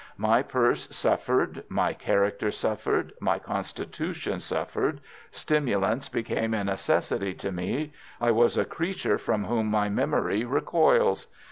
My purse suffered, my character suffered, my constitution suffered, stimulants became a necessity to me, I was a creature from whom my memory recoils.